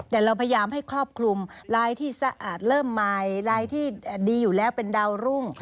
แต่เราพยายามให้ครอบคลุมรายที่สะอาดเริ่มใหม่รายที่ดีอยู่แล้วเป็นดาวรุ่ง